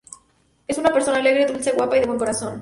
Es una persona alegre, dulce, guapa y de buen corazón.